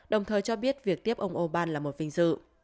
đồng thời cho biết việc tiếp ông orbán là một vinh dự